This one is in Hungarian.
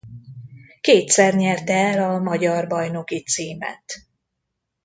Kétszer nyerte el a magyar bajnoki címet.